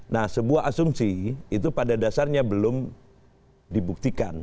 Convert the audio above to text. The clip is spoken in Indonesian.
nah sebuah asumsi itu pada dasarnya belum dibuktikan